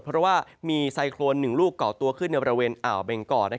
เพราะว่ามีไซโครน๑ลูกก่อตัวขึ้นในบริเวณอ่าวเบงก่อ